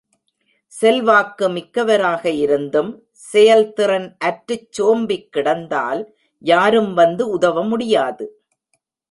செல்வாக்கு மிக்கவராக இருந்தும் செயல்திறன் அற்றுச் சோம்பிக் கிடந்தால் யாரும் வந்து உதவ முடியாது.